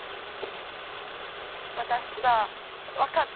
私さ分かった。